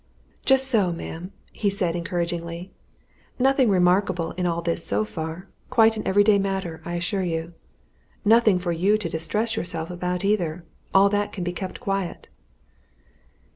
"Just so, ma'am," he said encouragingly. "Nothing remarkable in all this so far quite an everyday matter, I assure you! Nothing for you to distress yourself about, either all that can be kept quiet."